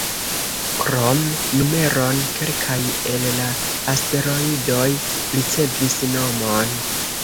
Krom numeron, kelkaj el la asteroidoj ricevis nomon.